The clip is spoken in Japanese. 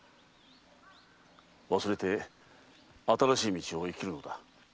忘れて新しい道を生きるんだ。